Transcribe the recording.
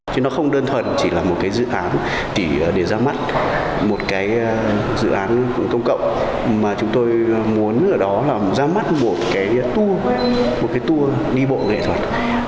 chứ nó không đơn thuần chỉ là một cái dự án để ra mắt một cái dự án công cộng mà chúng tôi muốn ở đó là ra mắt một cái tour một cái tour đi bộ nghệ thuật